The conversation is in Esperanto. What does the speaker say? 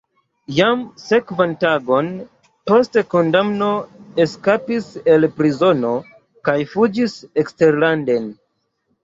Jam sekvan tagon post kondamno eskapis el prizono kaj fuĝis eksterlanden.